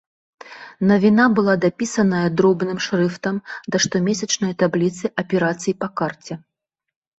Навіна была дапісаная дробным шрыфтам да штомесячнай табліцы аперацый па карце.